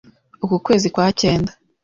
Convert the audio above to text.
uku kwezi kwa cyenda